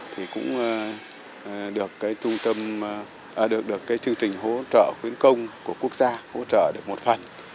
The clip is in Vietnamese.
thì cũng được chương trình hỗ trợ khuyến công của quốc gia hỗ trợ được một phần